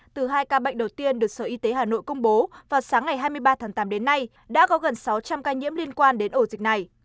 từ hai ca bệnh đầu tiên được sở y tế hà nội công bố vào sáng ngày hai mươi ba tháng tám đến nay đã có gần sáu trăm linh ca nhiễm liên quan đến ổ dịch này